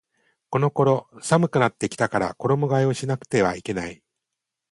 この頃寒くなってきたから衣替えをしなくてはいけない